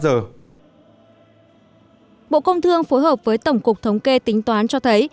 bộ công thương phối hợp với tổng cục thống kê tính toán cho thấy